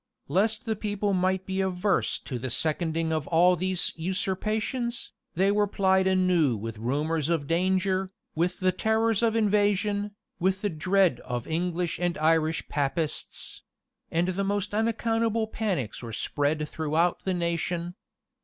[] Lest the people might be averse to the seconding of all these usurpations, they were plied anew with rumors of danger, with the terrors of invasion, with the dread of English and Irish Papists; and the most unaccountable panics were spread throughout the nation.